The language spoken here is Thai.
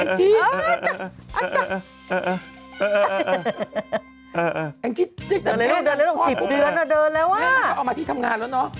แม่นุ่งก็ออกมาที่ทำงานแล้วเนอะ